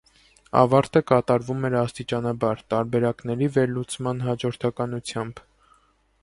Ավարտը կատարվում է աստիճանաբար, տարբերակների վերլուծման հաջորդականությամբ։